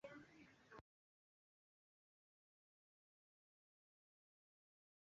Umwigisha ashobora kuba ataragize amahirwe